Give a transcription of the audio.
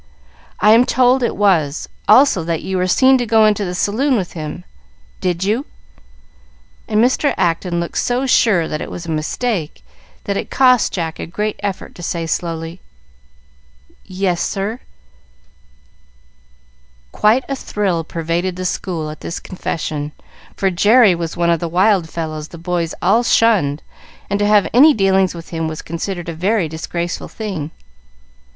"I am told it was; also that you were seen to go into the saloon with him. Did you?" and Mr. Acton looked so sure that it was a mistake that it cost Jack a great effort to say, slowly, "Yes, sir." Quite a thrill pervaded the school at this confession, for Jerry was one of the wild fellows the boys all shunned, and to have any dealings with him was considered a very disgraceful thing.